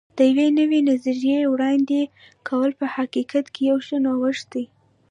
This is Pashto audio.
د یوې نوې نظریې وړاندې کول په حقیقت کې یو ښه نوښت دی.